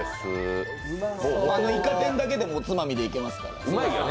元のイカ天だけでもおつまみでいけますから。